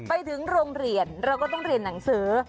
ไปถึงโรงเรียนเราก็ต้องเรียนหนังสือ